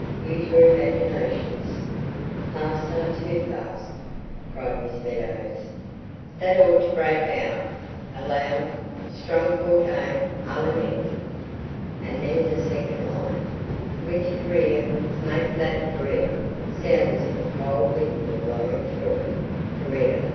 Use your imaginations. Fast! Ah, too Fast," cried Miss Meadows. "That ought to break out—a loud, strong forte—a lament. And then in the second line, Winter Drear, make that Drear sound as if a cold wind were blowing through it. _Dre ear!